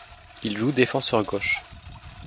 Il joue défenseur gauche.